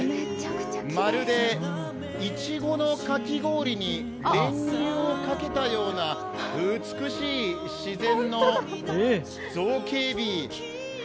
まるで、いちごのかき氷に練乳をかけたような美しい自然の造形美。